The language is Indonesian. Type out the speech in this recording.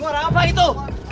suara apa itu